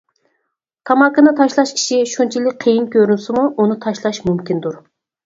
تاماكىنى تاشلاش ئىشى شۇنچىلىك قىيىن كۆرۈنسىمۇ، ئۇنى تاشلاش مۇمكىندۇر.